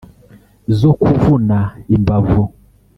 zo kuvuna imbavu